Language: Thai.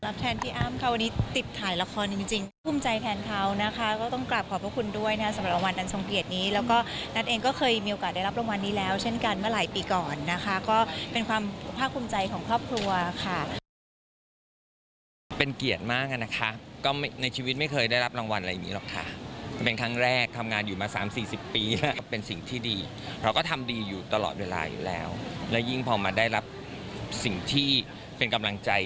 เพราะยิ่งพอมาได้รับสิ่งที่เป็นกำลังใจ